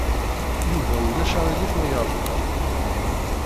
Yuba ulac aɣilif ma yeṛja.